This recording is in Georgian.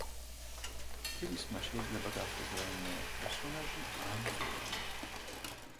თილისმა შეიძლება გახდეს რაიმე პერსონაჟი ან ცხოველი.